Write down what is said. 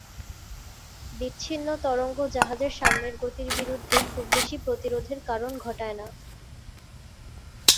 বিচ্ছিন্ন তরঙ্গ জাহাজের সামনের গতির বিরুদ্ধে খুব বেশি প্রতিরোধের কারণ ঘটায় না।